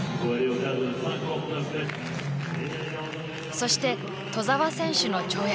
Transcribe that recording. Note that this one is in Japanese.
そして兎澤選手の跳躍。